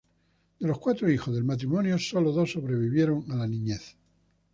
De los cuatro hijos del matrimonio sólo dos sobrevivieron a la niñez.